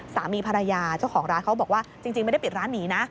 สามีภรรยาเจ้าของร้านเขาบอกว่าจริงไม่ได้ปิดร้านหนีนะ